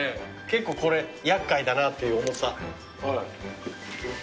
結構これ厄介だなっていう重さ。